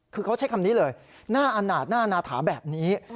คือเขาใช้คำนี้เลยหน้าอาณาจหน้านาถาแบบนี้